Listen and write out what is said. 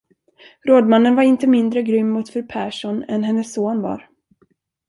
Rådmannen var inte mindre grym mot fru Persson än hennes son var.